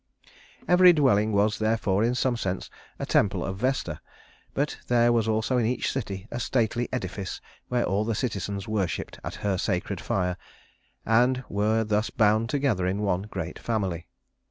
Every dwelling was, therefore, in some sense, a temple of Vesta; but there was also in each city a stately edifice where all the citizens worshiped at her sacred fire, and were thus bound together in one great family.